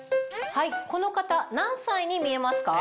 この方何歳に見えますか？